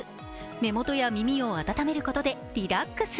目元や耳を温めることでリラックス。